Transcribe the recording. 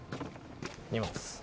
荷物。